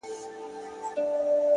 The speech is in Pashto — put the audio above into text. • دا بېچاره به ښـايــي مــړ وي؛